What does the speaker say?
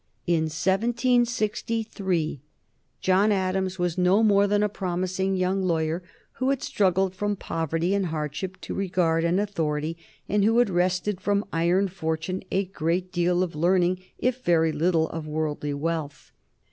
In 1763 John Adams was no more than a promising young lawyer who had struggled from poverty and hardship to regard and authority, and who had wrested from iron Fortune a great deal of learning if very little of worldly wealth.